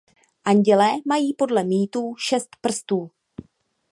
Andělé mají podle mýtů šest prstů.